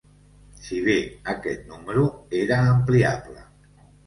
Si bé aquest número era ampliable.